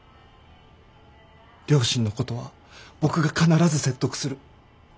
両親のことは僕が必ず説得する。